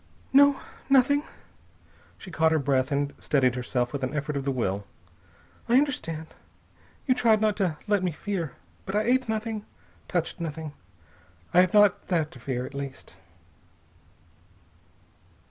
"No. Nothing." She caught her breath and steadied herself with an effort of the will. "I understand. You tried not to let me fear. But I ate nothing, touched nothing. I have not that to fear, at least."